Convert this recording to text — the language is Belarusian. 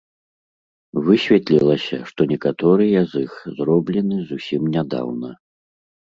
Высветлілася, што некаторыя з іх зроблены зусім нядаўна.